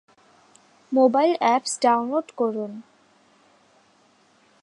mobile apps download করুন